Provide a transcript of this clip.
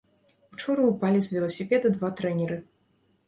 Учора упалі з веласіпеда два трэнеры.